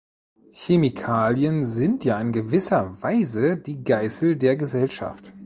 Chemikalien sind ja in gewisser Weise die Geißel der Gesellschaft.